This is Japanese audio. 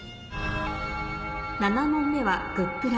７問目は「＃グップラ」